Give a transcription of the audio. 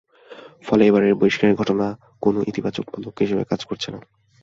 ফলে এবারের বহিষ্কারের ঘটনা কোনো ইতিবাচক পদক্ষেপ হিসেবে কাজ করছে না।